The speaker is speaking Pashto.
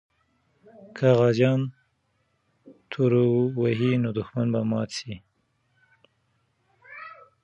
که غازیان تورو وهي، نو دښمن به مات سي.